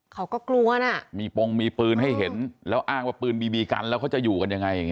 เขาก็กลัวน่ะมีปงมีปืนให้เห็นแล้วอ้างว่าปืนบีบีกันแล้วเขาจะอยู่กันยังไง